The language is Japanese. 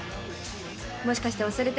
もしかして忘れてた？